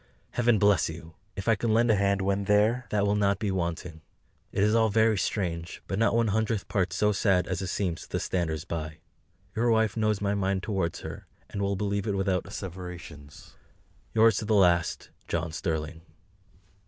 Heaven bless you! If I can lend a hand when THERE, that will not be wanting. It is all very strange, but not one hundredth part so sad as it seems to the standers by. Your Wife knows my mind towards her, and will believe it without asseverations. Yours to the last, JOHN STERLING.